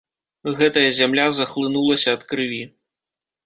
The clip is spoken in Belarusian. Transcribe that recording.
Гэтая зямля захлынулася ад крыві.